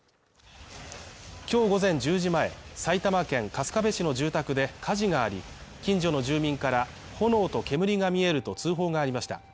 今日午前１０時前、埼玉県春日部市の住宅で火事があり、近所の住民から炎と煙が見えると通報がありました。